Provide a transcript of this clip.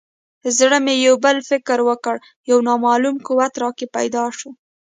زړه مې یو بل فکر وکړ یو نامعلوم قوت راکې پیدا شو.